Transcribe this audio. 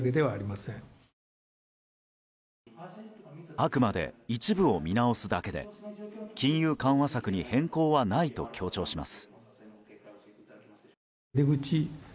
あくまで一部を見直すだけで金融緩和策に変更はないと強調します。